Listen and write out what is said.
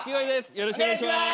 よろしくお願いします。